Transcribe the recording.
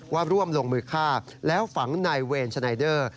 ว่าร่วมลงมือฆ่าแล้วฝังนายเวรชนัยเดอร์